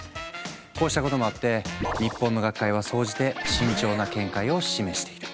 こうしたこともあって日本の学会は総じて慎重な見解を示している。